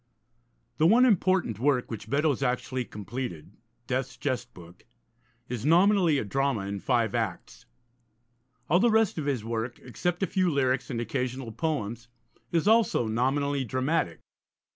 The one important work which Beddoes actually completed, Death's Jest Book, is nominally a drama in five acts. All the rest of his work, except a few lyrics and occasional poems, is also nominally dramatic.